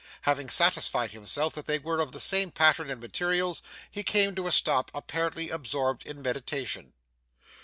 Having satisfied himself that they were of the same pattern and materials, he came to a stop apparently absorbed in meditation.